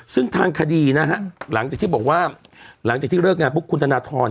ซึ่งทางคดีนะฮะหลังจากที่บอกว่าหลังจากที่เลิกงานปุ๊บคุณธนทร